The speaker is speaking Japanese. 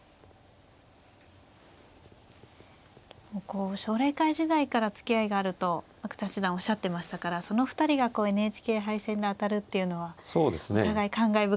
こう奨励会時代からつきあいがあると阿久津八段おっしゃってましたからその２人がこうＮＨＫ杯戦で当たるっていうのはお互い感慨深いところが。